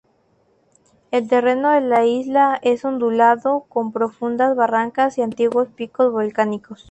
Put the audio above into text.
El terreno de la isla es ondulado, con profundas barrancas y antiguos picos volcánicos.